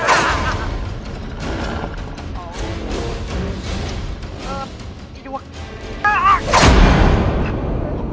เอ่อไอ้ดวก